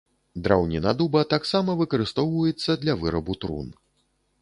Драўніна дуба таксама выкарыстоўваецца для вырабу трун.